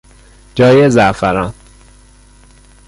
جای زعفران